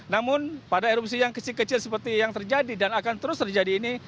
namun pada erupsi yang kecil kecil seperti yang terjadi dan akan terus terjadi ini